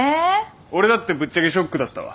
俺だってぶっちゃけショックだったわ。